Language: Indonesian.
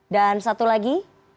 dan satu lagi